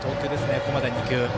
ここまでの２球は。